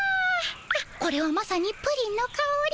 はっこれはまさにプリンのかおり。